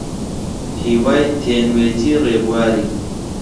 هیوای تینوێتی ڕێبواری